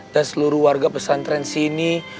dan seluruh warga pesantren sini